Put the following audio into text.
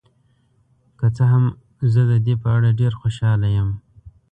که څه هم، زه د دې په اړه ډیر خوشحاله یم.